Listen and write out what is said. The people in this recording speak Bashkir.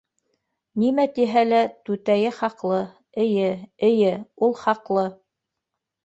Нимә тиһә лә түтәйе хаҡлы, эйе, эйе, ул хаҡлы...